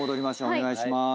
お願いします。